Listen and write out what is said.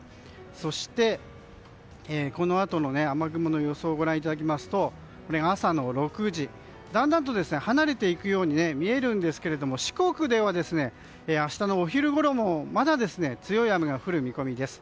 そして、このあとの雨雲の予想をご覧いただきますと朝の６時、だんだんと離れていくように見えるんですけれども四国では明日のお昼ごろもまだ強い雨が降る見込みです。